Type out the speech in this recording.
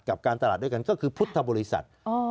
กับการตลาดด้วยกันก็คือพุทธบริษัท